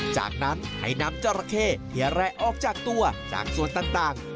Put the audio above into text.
จากนั้นให้นำจราเข้ที่แร่ออกจากตัวจากส่วนต่าง